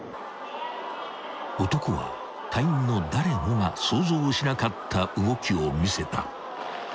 ［男は隊員の誰もが想像しなかった動きを見せた］